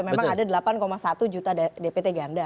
memang ada delapan satu juta dpt ganda